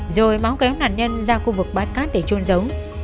rồi mão kéo nạn nhân ra khu vực bãi cát để trôn giấu